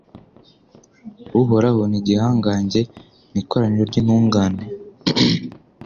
Uhoraho ni igihangange mu ikoraniro ry’intungane